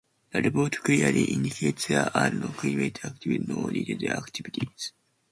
The report clearly indicates there are no criminal activities, no illegal activities.